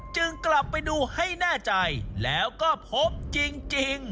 กลับไปดูให้แน่ใจแล้วก็พบจริง